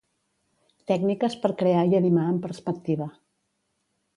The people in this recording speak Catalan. Tècniques per crear i animar en perspectiva.